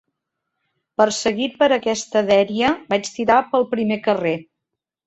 Perseguit per aquesta dèria, vaig tirar pel primer carrer